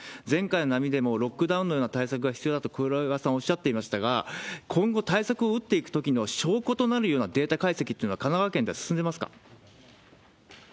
前回の波でも、ロックダウンのような対策が必要だと、黒岩さん、おっしゃっていましたが、今後、対策を打っていくときの証拠となるようなデータ解析というのは、神奈川県では進んでますか？